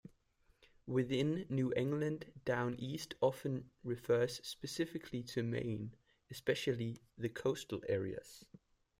Within New England, "Down East" often refers specifically to Maine, especially the coastal areas.